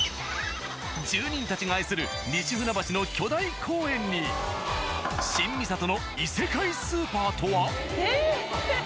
住人たちが愛する西船橋の巨大な公園に新三郷の異世界スーパーとは？